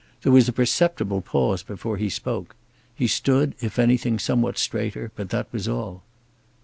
There was a perceptible pause before he spoke. He stood, if anything, somewhat straighter, but that was all.